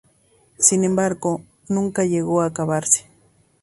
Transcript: Sin embargo, nunca llegó a acabarse.